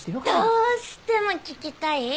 どうしても聞きたい？